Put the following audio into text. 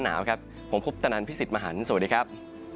หนาวครับผมคุปตนันพี่สิทธิ์มหันฯสวัสดีครับ